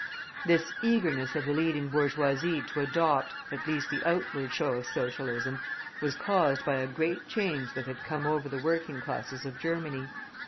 This eagerness of the leading bourgeoisie to adopt, at least the outward show of Socialism, was caused by a great change that had come over the working classes of Germany.